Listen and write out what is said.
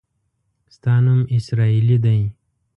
ستا نوم اسراییلي دی.